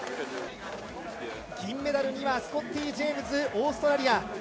銀メダルにはスコッティ・ジェームズ、オーストラリア。